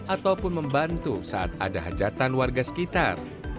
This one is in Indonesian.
ataupun membantu saat ada hajatan warga sekitar